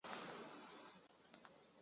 其后陆续遇到同伴阿帕因及毛美。